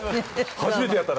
初めてやったな。